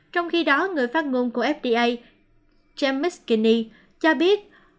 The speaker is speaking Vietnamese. trong khi đó người phát ngôn của fda james mckinney cho biết